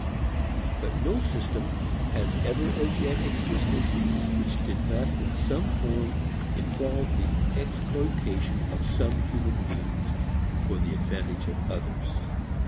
But no system has ever as yet existed which did not in some form involve the exploitation of some human beings for the advantage of others.